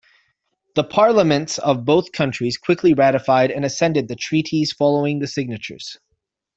The parliaments of both countries quickly ratified and acceded the treaties following the signatures.